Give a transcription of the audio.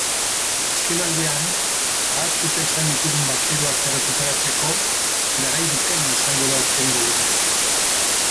Azkenaldian ahaztuta izan ditugun bakeroak errekuperatzeko garai bikaina izango da aurtengo uda.